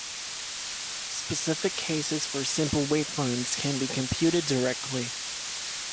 Specific cases for simple wavefronts can be computed directly.